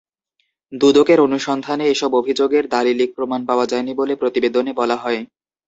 দুদকের অনুসন্ধানে এসব অভিযোগের দালিলিক প্রমাণ পাওয়া যায়নি বলে প্রতিবেদনে বলা হয়।